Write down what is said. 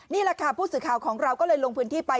นี่แหละค่ะผู้สื่อข่าวของเราก็เลยลงพื้นที่ไป